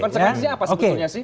pencegahannya apa sebetulnya sih